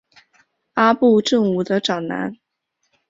阿部正武的长男。